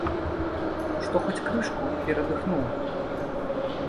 Што хоць крышку перадыхнуў.